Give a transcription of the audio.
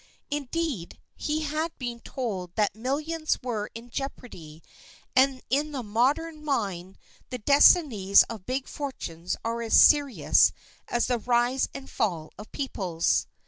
Indeed, he had been told that millions were in jeopardy, and in the modern mind the destinies of big fortunes are as serious as the rise and fall of peoples.